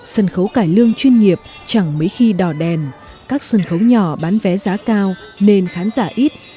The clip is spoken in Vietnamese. sân khấu cải lương chuyên nghiệp chẳng mấy khi đỏ đèn các sân khấu nhỏ bán vé giá cao nên khán giả ít